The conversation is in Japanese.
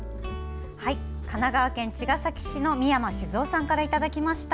神奈川県茅ヶ崎市の三山静雄さんからいただきました。